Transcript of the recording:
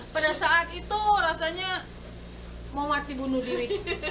pada saat itu rasanya mau mati bunuh diri